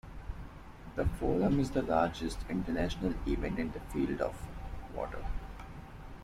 The Forum is the largest international event in the field of water.